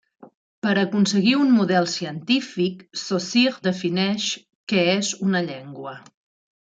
Per aconseguir un model científic Saussure defineix què és una llengua.